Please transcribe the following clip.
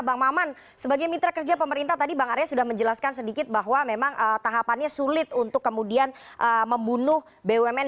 bang maman sebagai mitra kerja pemerintah tadi bang arya sudah menjelaskan sedikit bahwa memang tahapannya sulit untuk kemudian membunuh bumn